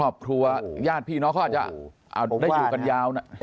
ครอบครัวญาติพี่น้องเขาอาจจะได้อยู่กันยาว